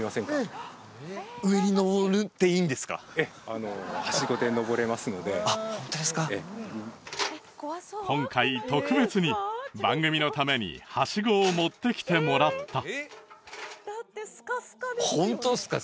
あのはしごで登れますのであっホントですか今回特別に番組のためにはしごを持ってきてもらったホントっすか？